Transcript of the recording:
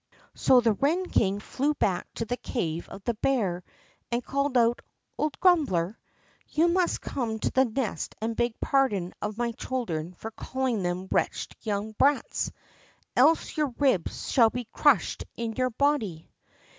So the wren king flew back to the cave of the bear, and called out, "Old grumbler, you must come to the nest and beg pardon of my children for calling them wretched young brats, else your ribs shall be crushed in your body!"